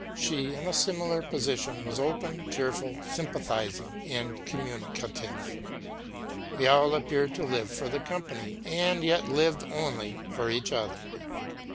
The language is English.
She, in a similar position, was open, cheerful, sympathizing, and communica tive. We all appeared to live for the company, and yet lived only for each other.